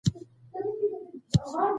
پوهه د ناهیلۍ مخه نیسي.